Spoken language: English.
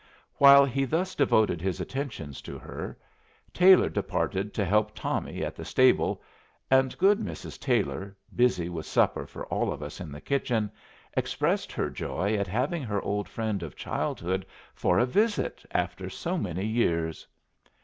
While he thus devoted his attentions to her, Taylor departed to help Tommy at the stable, and good Mrs. Taylor, busy with supper for all of us in the kitchen, expressed her joy at having her old friend of childhood for a visit after so many years.